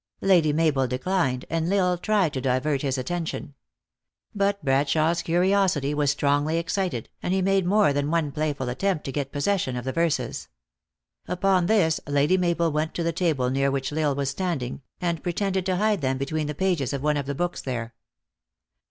Lady Mabel declined, and L Isle tried to divert his attention. But Braclshawe s curiosity was strongly excited, and he made more than one playful attempt to get possession of the verses. Upon this, Lady Mabel went to the table near which L Isle was stand ing, and pretended to hide them between the pages of one of the books there.